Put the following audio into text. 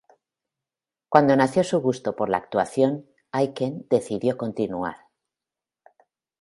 Cuando nació su gusto por la actuación, Aiken decidió continuar.